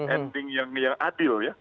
ending yang adil ya